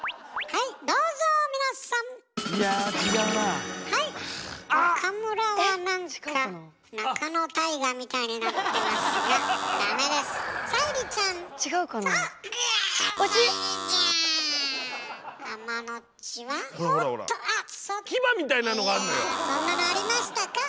いやそんなのありましたか？